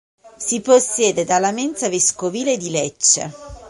Si possiede dalla Mensa vescovile di Lecce.